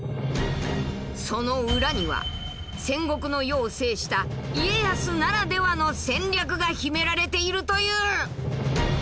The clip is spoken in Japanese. その裏には戦国の世を制した家康ならではの戦略が秘められているという。